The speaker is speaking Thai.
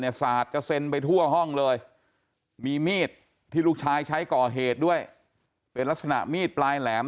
สาดกระเซ็นไปทั่วห้องเลยมีมีดที่ลูกชายใช้ก่อเหตุด้วยเป็นลักษณะมีดปลายแหลม